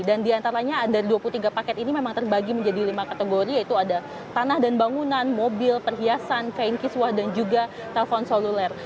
dan diantaranya dari dua puluh tiga paket ini memang terbagi menjadi lima kategori yaitu ada tanah dan bangunan mobil perhiasan kain kiswah dan juga telepon soluler